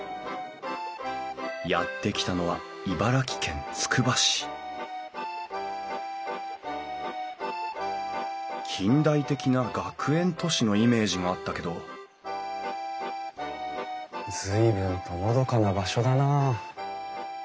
やって来たのは茨城県つくば市近代的な学園都市のイメージがあったけど随分とのどかな場所だなあ。